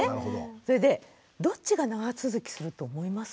それでどっちが長続きすると思います？